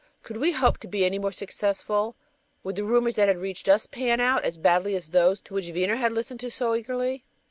Could we hope to be any more successful? Would the rumors that had reached us "pan out" as badly as those to which Wiener had listened so eagerly?